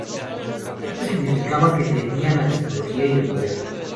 Esto significaba que tenían la tecnología y el poder.